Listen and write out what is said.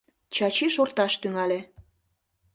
Чачи шорташ тӱҥале.